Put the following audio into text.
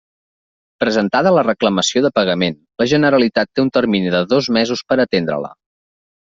Presentada la reclamació de pagament, la Generalitat té un termini de dos mesos per a atendre-la.